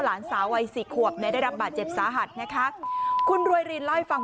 นั่งนั่งนั่งนั่งนั่งนั่งนั่งนั่งนั่งนั่งนั่งนั่งนั่งนั่ง